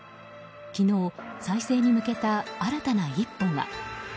昨日、再生に向けた新たな一歩が。